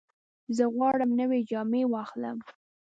زه غواړم نوې جامې واخلم.